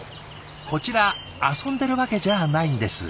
こちら遊んでるわけじゃないんです。